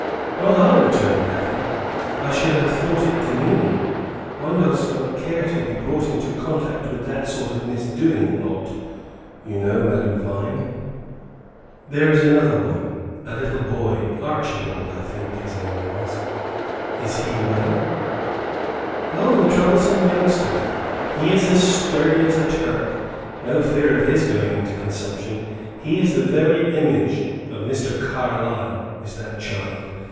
"Not I," returned Afy; "I should have thought it demeaning. One does not care to be brought into contact with that sort of misdoing lot, you know, Madame Vine." "There as another one, a little boy Archibald, I think, his name was. Is he well?" "Oh, the troublesome youngster! He is as sturdy as a Turk. No fear of his going into consumption. He is the very image of Mr. Carlyle, is that child.